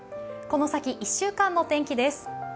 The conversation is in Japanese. この先１週間の天気です。